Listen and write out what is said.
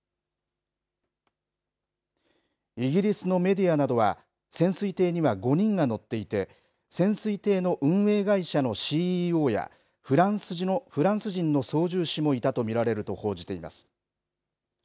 イギリスのメディアなどは、潜水艇には５人が乗っていて、潜水艇の運営会社のＣＥＯやフランス人の操縦士もいたと見られると報じています。